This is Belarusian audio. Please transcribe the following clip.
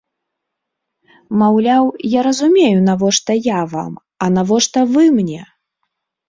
Маўляў, я разумею, навошта я вам, а навошта вы мне?